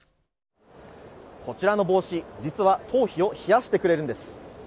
こちらの帽子、実は頭皮を冷やしてくれるんです。